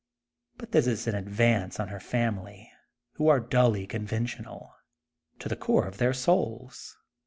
But this is an advance on her family who are dully conventional, to the core of their souls.